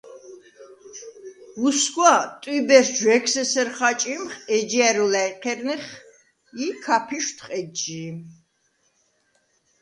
უსგვა, ტვიბერს ჯვეგს ესერ ხაჭიმხ, ეჯჲა̈რუ ლა̈ჲჴერნეხ ი ქაფიშთვხ ეჯჟი.